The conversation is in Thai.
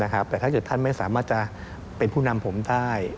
แต่ถ้าเกิดท่านไม่สามารถจะเป็นผู้นำผมได้